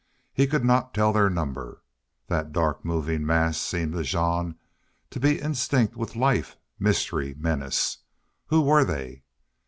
He could not tell their number. That dark moving mass seemed to Jean to be instinct with life, mystery, menace. Who were they?